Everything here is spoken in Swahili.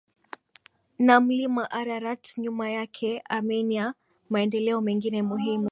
na Mlima Ararat nyuma yake Armenia Maendeleo mengine muhimu